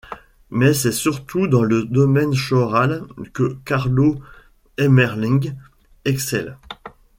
Mais c'est surtout dans le domaine choral que Carlo Hemmerling excelle.